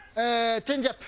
チェンジアップ。